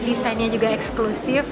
desainnya juga eksklusif